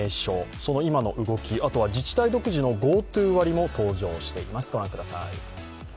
その今の動き、あとは自治体独自のＧｏＴｏ割も登場しています。